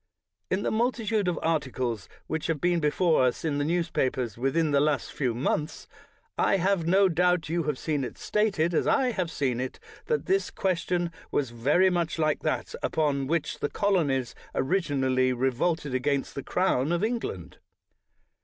In the multitude of ar ticles which have been before us in the news papers within the last few months, I have no doubt you have seen it stated, as I have seen it, that this question was very much like that upon which the Colonies originally revolted against the crown of England.